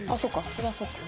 そりゃあそうか。